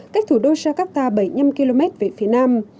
cách thủ đô jakarta bảy mươi năm km về phía nam